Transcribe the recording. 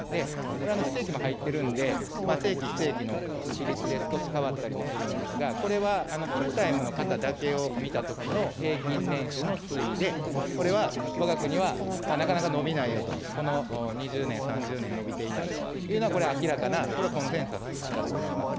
これ、非正規も入ってるんで、正規、非正規の比率で少し変わったりもするんですが、これはフルタイムの方だけを見たときの平均年収の推移で、これはわが国は、なかなか伸びないよと、この２０年、３０年、伸びていないというのがこれ明らかな、これコンセンサスだと思います。